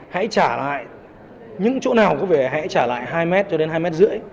hãy trả lại những chỗ nào có vỉa hè hãy trả lại hai m cho đến hai m ba mươi